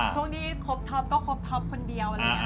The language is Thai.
ช่วงที่ครบท็อปก็ครบท็อปคนเดียวแล้ว